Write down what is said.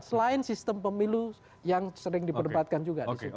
selain sistem pemilu yang sering diperbatkan juga